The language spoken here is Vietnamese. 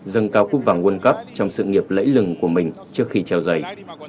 dâng cao cúp vàng vuôn cấp trong sự nghiệp lẫy lừng của mình trước khi treo giày